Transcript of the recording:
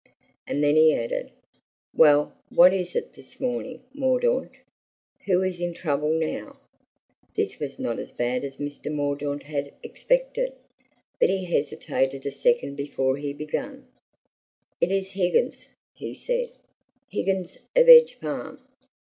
And then he added: "Well, what is it this morning, Mordaunt? Who is in trouble now?" This was not as bad as Mr. Mordaunt had expected, but he hesitated a second before he began. "It is Higgins," he said; "Higgins of Edge Farm.